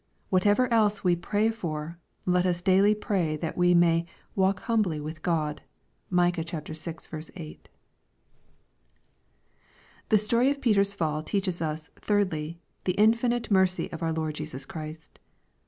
Whatevrer else we pray for, let us daily pray that we may " walk humbly with God." (Micah vi. 8.) The story of Peter's fall teaches us, thirdly, tlie infi* nite mercy of our Lord Jesus Christ.